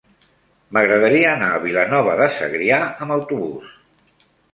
M'agradaria anar a Vilanova de Segrià amb autobús.